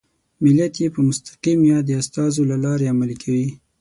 ملت یې په مستقیم یا د استازو له لارې عملي کوي.